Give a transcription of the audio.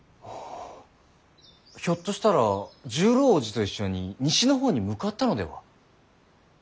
ひょっとしたら十郎叔父と一緒に西の方に向かったのでは。